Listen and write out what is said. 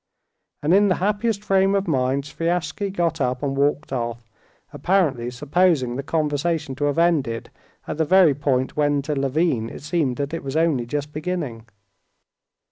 And in the happiest frame of mind Sviazhsky got up and walked off, apparently supposing the conversation to have ended at the very point when to Levin it seemed that it was only just beginning.